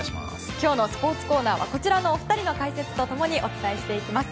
今日のスポーツコーナーはこちらのお二人の解説と共にお伝えしていきます。